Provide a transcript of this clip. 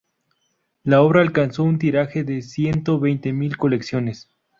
La obra alcanzó un tiraje de ciento veinte mil colecciones.